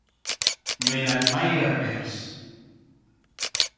No he anat mai a Herbers.